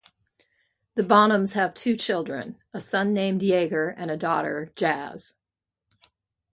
The Bonhams have two children: a son named Jager and a daughter, Jaz.